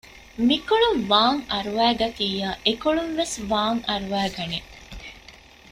މިކޮޅުން ވާން އަރުވައިގަތިއްޔާ އެކޮޅުން ވެސް ވާން އަރުވައި ގަނެ